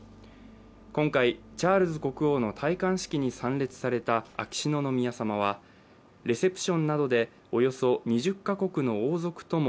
今回、チャールズ国王の戴冠式に参列された秋篠宮さまはレセプションなどでおよそ２０か国の王族とも